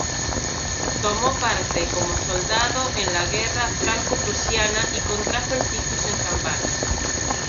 Tomó parte como soldado en la guerra franco-prusiana y contrajo el tifus en campaña.